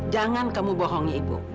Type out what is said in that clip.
jangan kamu bohong ya ibu